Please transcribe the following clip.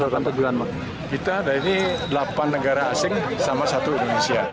kita ada ini delapan negara asing sama satu indonesia